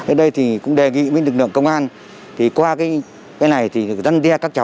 ở đây cũng đề nghị với lực lượng công an